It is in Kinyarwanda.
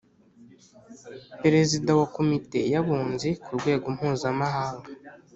Perezida wa Komite y Abunzi ku rwego mpuzamahanga